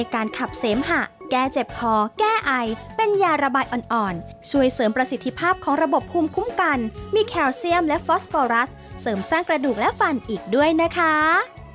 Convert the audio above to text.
การขับเสมหะแก้เจ็บคอแก้ไอเป็นยาระบายอ่อนช่วยเสริมประสิทธิภาพของระบบภูมิคุ้มกันมีแคลเซียมและฟอสฟอรัสเสริมสร้างกระดูกและฟันอีกด้วยนะคะ